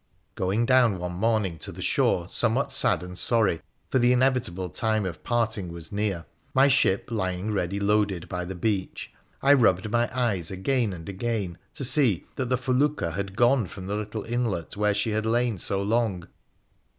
Going down one morning to the shore somewhat sad and sorry, for the inevitable time of parting was near, my ship lying ready loaded by the beach, I rubbed my eyes again and again to see that the felucca had gone from the little inlet where she had lain so long.